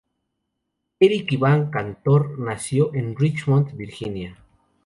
Eric Ivan Cantor nació en Richmond, Virginia.